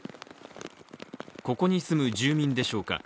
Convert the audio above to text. ここに住む住民でしょうか。